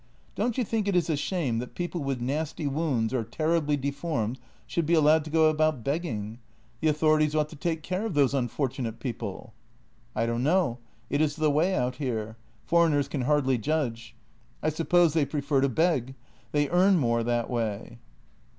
Don't you think it is a shame that people with nasty wounds or terribly deformed should be allowed to go about begging? The authorities ought to take care of those unfortunate people." " I don't know. It is the way out here. Foreigners can hardly judge. I suppose they prefer to beg; they earn more that way."